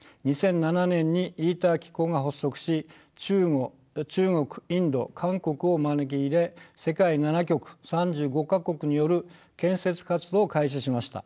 ２００７年にＩＴＥＲ機構が発足し中国インド韓国を招き入れ世界７極３５か国による建設活動を開始しました。